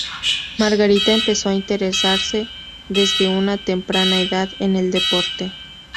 Margarita empezó a interesarse desde una temprana edad en el deporte.